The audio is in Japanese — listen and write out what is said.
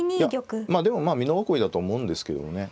いやまあでも美濃囲いだとは思うんですけれどもね。